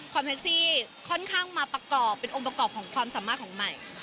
แท็กซี่ค่อนข้างมาประกอบเป็นองค์ประกอบของความสามารถของใหม่